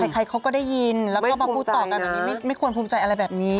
ใครเขาก็ได้ยินแล้วก็มาพูดต่อกันแบบนี้ไม่ควรภูมิใจอะไรแบบนี้